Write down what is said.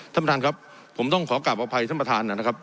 ท่านประธานครับผมต้องขอกลับอภัยท่านประธานนะครับ